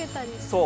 そう。